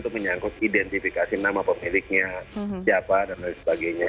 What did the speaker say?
itu menyangkut identifikasi nama pemiliknya siapa dan lain sebagainya